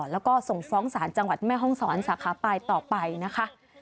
แล้วก็ส่งฟ้องศาลจังหวัดแม่ห้องศรสาขาปลายต่อไปนะคะ